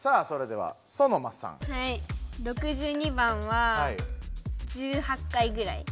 ６２番は１８回ぐらい。